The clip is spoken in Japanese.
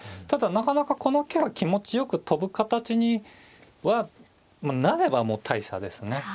ただなかなかこの桂は気持ちよく跳ぶ形にはまあなればもう大差ですね。